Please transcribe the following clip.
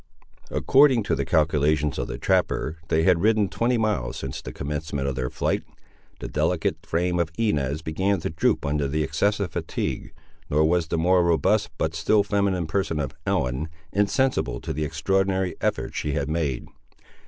According to the calculations of the trapper, they had ridden twenty miles since the commencement of their flight. The delicate frame of Inez began to droop under the excessive fatigue, nor was the more robust, but still feminine person of Ellen, insensible to the extraordinary effort she had made.